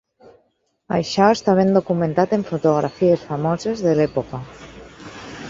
Això està ben documentat en fotografies famoses de l'època.